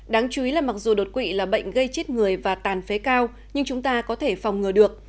đáng chú ý là mặc dù đột quỵ là bệnh gây chết người và tàn phế cao nhưng chúng ta có thể phòng ngừa được